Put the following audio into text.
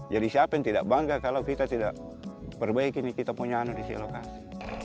jadi siapa yang tidak bangga kalau kita tidak perbaiki ini kita punya di lokasi